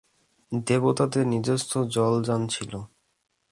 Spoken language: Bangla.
দেবতাদের নিজস্ব জলযান ছিল।